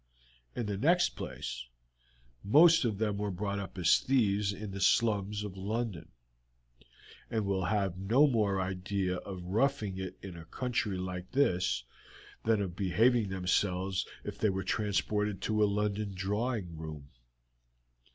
In the next place, most of them were brought up as thieves in the slums of London, and will have no more idea of roughing it in a country like this than of behaving themselves if they were transported to a London drawing room.